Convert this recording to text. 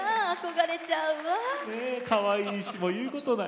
かわいいし、言うことない。